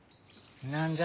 何じゃ？